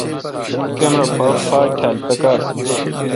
کمرا پاک تھال پکار۔